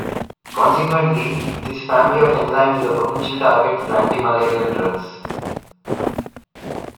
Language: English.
Consequently, this family of enzymes is a potential target for antimalarial drugs.